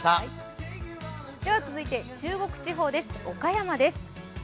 続いて中国地方です岡山です。